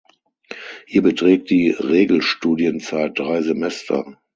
Hier beträgt die Regelstudienzeit drei Semester.